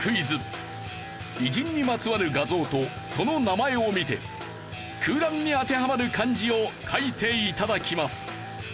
偉人にまつわる画像とその名前を見て空欄に当てはまる漢字を書いて頂きます。